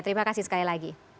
terima kasih sekali lagi